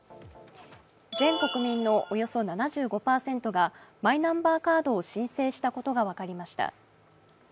全国民のおよそ７５％がマイナンバーカードを申請したことが分かりました。